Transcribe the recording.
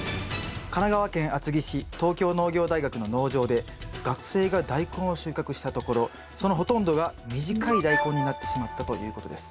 神奈川県厚木市東京農業大学の農場で学生がダイコンを収穫したところそのほとんどが短いダイコンになってしまったということです。